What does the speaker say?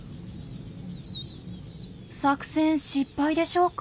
作戦失敗でしょうか？